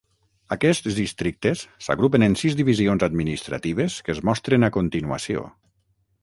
Aquests districtes s'agrupen en sis divisions administratives que es mostren a continuació.